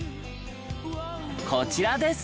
こちらです。